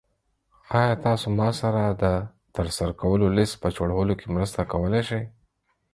ایا تاسو ما سره د ترسره کولو لیست په جوړولو کې مرسته کولی شئ؟